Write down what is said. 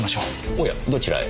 おやどちらへ？